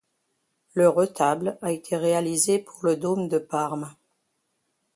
Le retable a été réalisé pour le Dôme de Parme.